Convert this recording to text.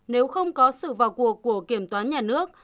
nếu không có sự vào cuộc của kiểm toán nhà nước